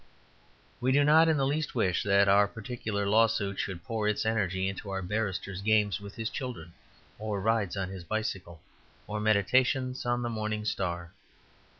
We do not in the least wish that our particular law suit should pour its energy into our barrister's games with his children, or rides on his bicycle, or meditations on the morning star.